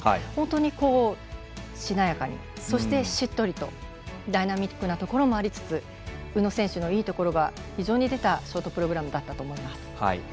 本当に、しなやかにそしてしっとりとダイナミックなところもありつつ宇野選手のいいところが非常に出たショートプログラムだったと思います。